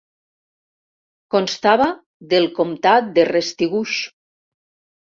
Constava del comtat de Restigouche.